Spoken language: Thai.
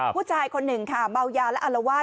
ผู้ชายคนหนึ่งค่ะเมายาและอารวาส